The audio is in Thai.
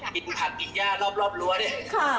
กินผักกินย่ารอบรั้วเนี่ย